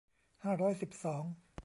ห้าร้อยสิบสอง